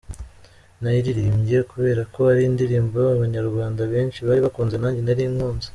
Nayiririmbye kubera ko ari indirimbo Abanyarwanda benshi bari bakunze nanjye nari nkunze.